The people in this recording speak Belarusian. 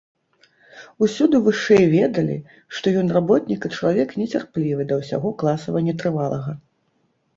Усюды вышэй ведалі, што ён работнік і чалавек нецярплівы да ўсяго класава нетрывалага.